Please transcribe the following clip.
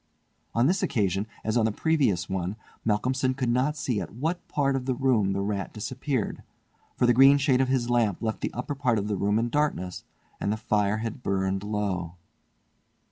On this occasion, as on the previous one, Malcolmson could not see at what part of the room the rat disappeared, for the green shade of his lamp left the upper part of the room in darkness, and the fire had burned low.